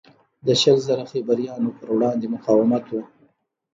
د شل زره خیبریانو پروړاندې مقاومت و.